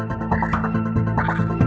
opo pake dulu nih sepatnya